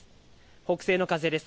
北西の風です。